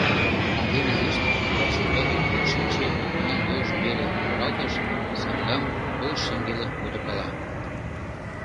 А эн изишт вачӱмбаке кӱзен шинче, пунан йолжым веле торалтыш, саҥгам, пылыш шеҥгелым удыркала.